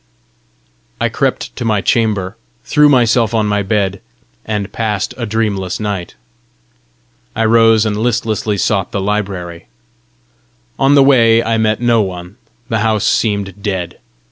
I crept to my chamber, threw myself on my bed, and passed a dreamless night. I rose, and listlessly sought the library. On the way I met no one; the house seemed dead.